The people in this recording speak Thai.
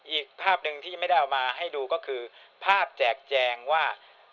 อีกภาพหนึ่งที่ไม่ได้เอามาให้ดูก็คือภาพแจกแจงว่า